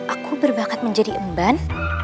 aku berbakat menjadi emban